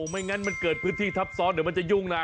ไม่งั้นมันเกิดพื้นที่ทับซ้อนเดี๋ยวมันจะยุ่งนะ